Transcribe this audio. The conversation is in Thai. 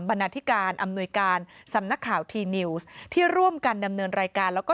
นาธิการอำนวยการสำนักข่าวทีนิวส์ที่ร่วมกันดำเนินรายการแล้วก็